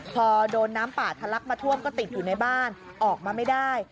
พอโดนน้ำป่าทะลักมาท่วมก็ติดอยู่ในบ้านออกมาไม่ได้